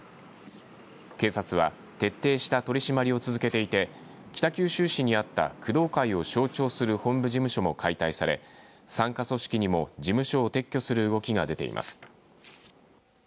警察は、徹底した取り締まりを続けていて北九州市にあった工藤会を象徴する本部事務所も解体され傘下組織にも事務所を撤去する動きが出ています。